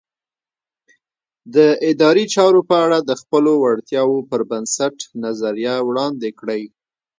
د ادارې چارو په اړه د خپلو وړتیاوو پر بنسټ نظریه وړاندې کړئ.